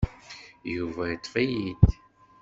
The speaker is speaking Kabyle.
Yuba ṭṭef-iyi-d.